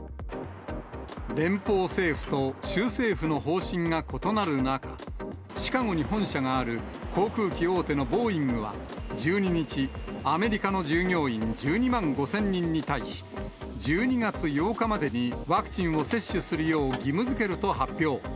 連邦政府と州政府の方針が異なる中、シカゴに本社がある航空機大手のボーイングは１２日、アメリカの従業員１２万５０００人に対し、１２月８日までにワクチンを接種するよう義務づけると発表。